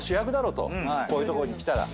こういうとこに来たら。